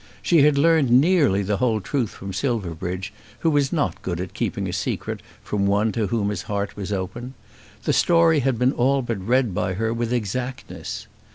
She had learned nearly the whole truth from Silverbridge, who was not good at keeping a secret from one to whom his heart was open. That story had been all but read by her with exactness.